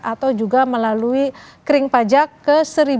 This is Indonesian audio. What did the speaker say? atau juga melalui kering pajak ke seribu lima ratus dua ratus